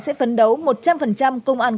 sẽ phấn đấu một trăm linh công an